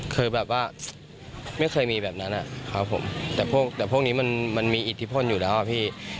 คือแบบว่าไม่เคยมีแบบนั้นครับผมแต่พวกนี้มันมีอิทธิพลอยู่แล้วอะพี่